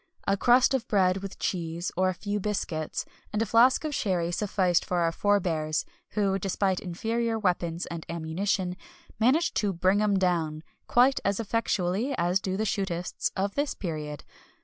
A crust of bread with cheese, or a few biscuits, and a flask of sherry sufficed for our forebears, who, despite inferior weapons and ammunition, managed to "bring 'em down" quite as effectually as do the shootists of this period.